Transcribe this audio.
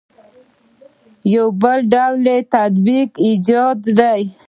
بل ډول یې تطبیقي ایجاد دی.